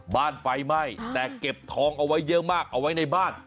ไฟไหม้แต่เก็บทองเอาไว้เยอะมากเอาไว้ในบ้าน